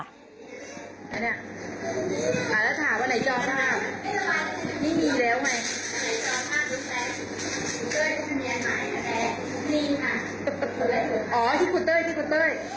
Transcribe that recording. เปลี่ยนให้อันนี้อันหนึ่งกูเต้ย